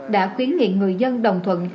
đã khuyến nghiệm người dân đồng thuận